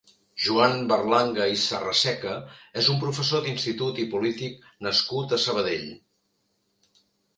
Joan Berlanga i Sarraseca és un professor d'institut i polític nascut a Sabadell.